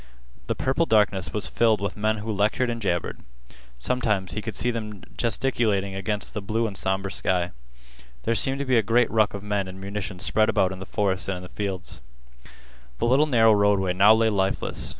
The purple darkness was filled with men who lectured and jabbered. Sometimes he could see them gesticulating against the blue and somber sky. There seemed to be a great ruck of men and munitions spread about in the forest and in the fields. The little narrow roadway now lay lifeless.